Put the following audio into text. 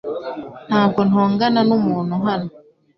Ntabwo ntongana numuntu hano .